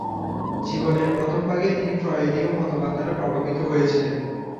জীবনের প্রথমভাগে তিনি ফ্রয়েডীয় মতবাদ দ্বারা প্রভাবিত হয়েছিলেন।